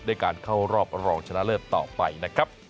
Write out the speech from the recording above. การเข้ารอบรองชนะเลิศต่อไปนะครับ